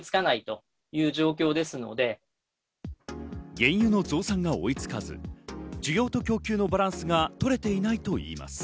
原油の増産が追いつかず需要と供給のバランスが取れていないと言います。